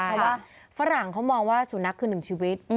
เพราะว่าฝรั่งเขามองว่าสุนัขคือหนึ่งชีวิต